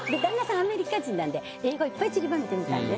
アメリカ人なんで英語いっぱいちりばめてみたんです。